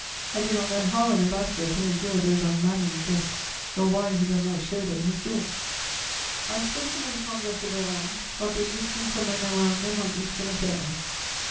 I do not know how an ambassador can endure those unmannerly guests, nor why he does not show them his door." [Sidenote: My Memorandum on the East.] I have spoken in the Congrès de Vérone of the existence of my Memorandum on Eastern Affairs.